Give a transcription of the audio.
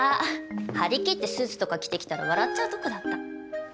張り切ってスーツとか着てきたら笑っちゃうとこだった。